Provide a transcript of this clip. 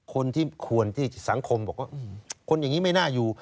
คนที่ควรที่สังคมบอกว่าคนอย่างนี้ไม่น่าอยู่